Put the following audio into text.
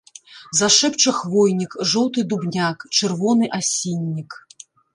Зашэпча хвойнік, жоўты дубняк, чырвоны асіннік.